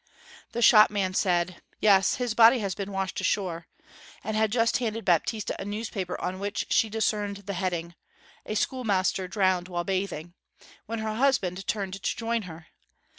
The shopman said, 'Yes, his body has been washed ashore,' and had just handed Baptista a newspaper on which she discerned the heading, 'A Schoolmaster drowned while bathing', when her husband turned to join her.